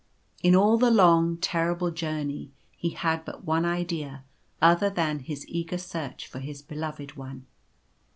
In all the long, terrible journey he had but one idea other than his eager search for his Beloved One.